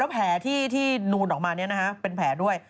แผลที่นูนออกมาเป็นแผลด้วย